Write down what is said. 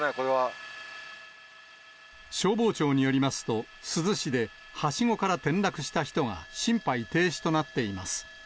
消防庁によりますと、珠洲市で、はしごから転落した人が心肺停止となっています。